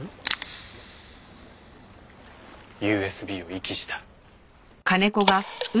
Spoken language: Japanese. ＵＳＢを遺棄した。